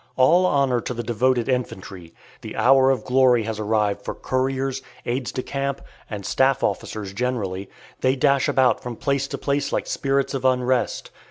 All honor to the devoted infantry. The hour of glory has arrived for couriers, aides de camp, and staff officers generally. They dash about from place to place like spirits of unrest.